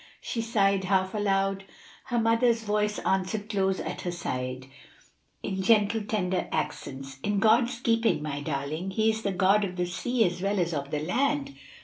she sighed half aloud. Her mother's voice answered close at her side, in gentle, tender accents, "In God's keeping, my darling. He is the God of the sea as well as of the land."